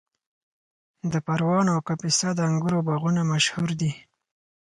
د پروان او کاپیسا د انګورو باغونه مشهور دي.